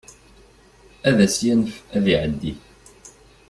Ad as-yanef ad iɛeddi.